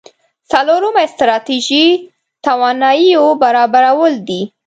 څلورمه ستراتيژي تواناییو برابرول دي.